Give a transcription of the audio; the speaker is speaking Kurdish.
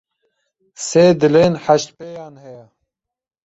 Sê dilên heştpêyan heye.